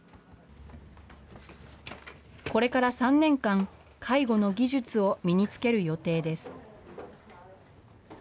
これから３年間、介護の技術を身につける予定です。